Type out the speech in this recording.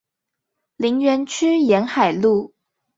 林園區沿海路